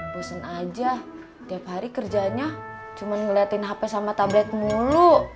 bosen aja tiap hari kerjanya cuma ngeliatin hp sama tablet mulu